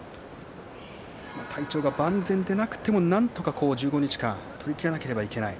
体調万全でなくても、なんとか１５日間取りきれなければいけない